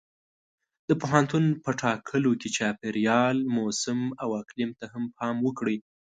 د پوهنتون په ټاکلو کې چاپېریال، موسم او اقلیم ته هم پام وکړئ.